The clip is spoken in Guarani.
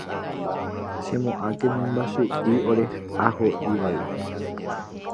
Chemo'ãke mymbachu'i ore'aho'ívagui